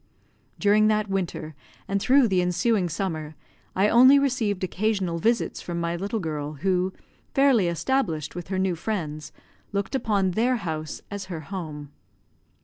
During that winter and through the ensuing summer, I only received occasional visits from my little girl, who, fairly established with her new friends, looked upon their house as her home.